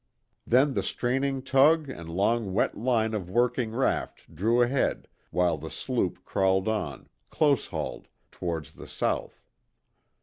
Then the straining tug and long wet line of working raft drew ahead, while the sloop crawled on, close hauled, towards the south.